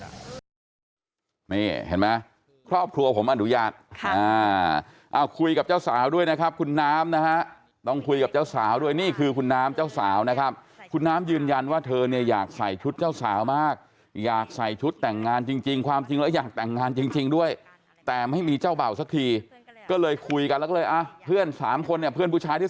นี่เห็นไหมครอบครัวผมอนุญาตคุยกับเจ้าสาวด้วยนะครับคุณน้ำนะฮะต้องคุยกับเจ้าสาวด้วยนี่คือคุณน้ำเจ้าสาวนะครับคุณน้ำยืนยันว่าเธอเนี่ยอยากใส่ชุดเจ้าสาวมากอยากใส่ชุดแต่งงานจริงความจริงแล้วอยากแต่งงานจริงด้วยแต่ไม่มีเจ้าเบ่าสักทีก็เลยคุยกันแล้วก็เลยอ่ะเพื่อนสามคนเนี่ยเพื่อนผู้ชายที่